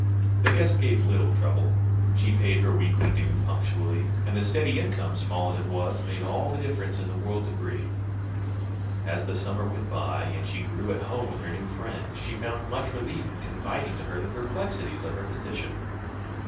The guest gave little trouble, she paid her weekly due punctually, and the steady income, small as it was, made all the difference in the world to Brie. As the summer went by, and she grew at home with her new friend, she found much relief in confiding to her the perplexities of her position.